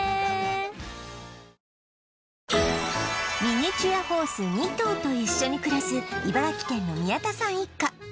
ミニチュアホース２頭と一緒に暮らす茨城県の宮田さん一家